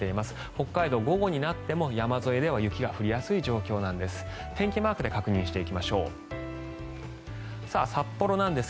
北海道、午後になっても山沿いでは雪が降りやすい状況なんです。